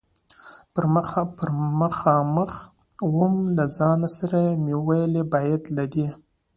پر مخامخ ووم، له ځان سره مې وویل: باید له دې.